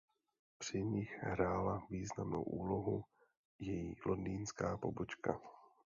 Při nich hrála významnou úlohu její londýnská pobočka.